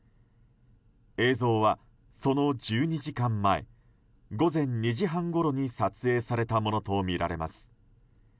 映像は、その１２時間前午前２時半ごろに撮影されたものとみられます。